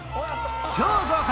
超豪華！